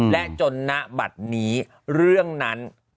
และจนณบัตรนี้เรื่องนั้น